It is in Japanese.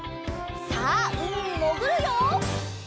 さあうみにもぐるよ！